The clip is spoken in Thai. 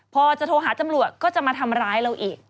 พอจะโทรหาตำรวจก็จะมาทำร้ายเราอีก